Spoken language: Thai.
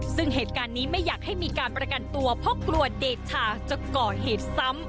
ซึ่งเหตุการณ์นี้ไม่อยากให้มีการประกันตัวเพราะกลัวเดชาจะก่อเหตุซ้ำ